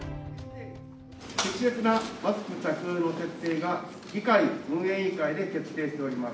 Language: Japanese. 適切なマスク着用の徹底が議会運営委員会で決定しております。